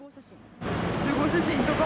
集合写真とかも。